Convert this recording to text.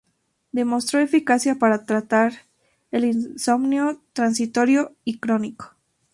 Demostró eficacia para tratar el insomnio transitorio y crónico.